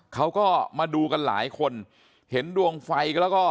เขาก็มาดูกันหลายคนเห็นดวงไฟแล้วก็